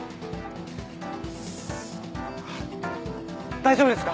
大丈夫ですか！？